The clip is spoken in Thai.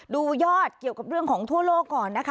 ดูยอดเกี่ยวกับเรื่องของทั่วโลกก่อนนะคะ